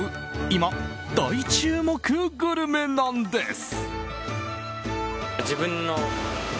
今、大注目グルメなんです。